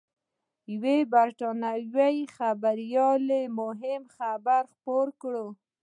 یوه بریټانوي خبریال یو مهم خبر خپور کړ